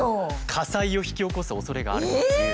火災を引き起こすおそれがあるっていう。